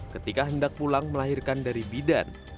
ketika hendak pulang melahirkan dari bidan